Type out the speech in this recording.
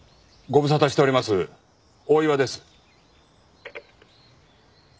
ご無沙汰しております大岩です。